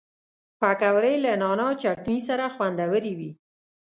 پکورې له نعناع چټني سره خوندورې وي